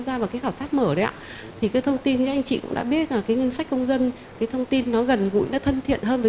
gia vào khảo sát mở đấy ạ anh chị cũng đã biết rằng ngân sách công dân gần gũi thân thiện hơn với